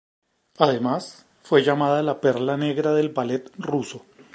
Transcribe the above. Además, fue llamada "La Perla Negra del Ballet Ruso.